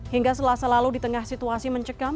hingga selasa lalu di tengah situasi mencekam